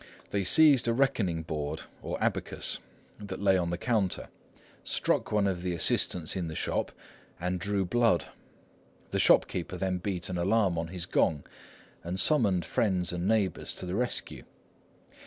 They seized a reckoning board, or abacus, that lay on the counter, struck one of the assistants in the shop, and drew blood. The shopkeeper then beat an alarm on his gong, and summoned friends and neighbours to the rescue.